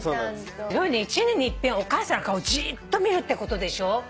一年に一遍お母さんの顔じっと見るってことでしょ？